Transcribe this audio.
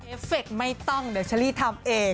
เอฟเฟคไม่ต้องเดี๋ยวเชอรี่ทำเอง